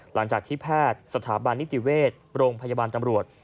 หลังจากที่แพทย์สถาบันนิติเวชโรงพยาบาลตำรวจ